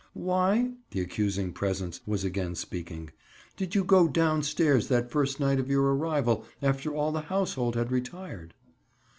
"Why"—the accusing presence was again speaking—"did you go down stairs that first night of your arrival, after all the household had retired?"